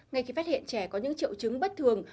ngay khi phát hiện trẻ có những triệu chứng bất thường